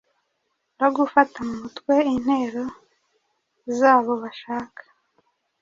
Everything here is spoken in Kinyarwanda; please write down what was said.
no gufata mu mutwe intero zabo bashaka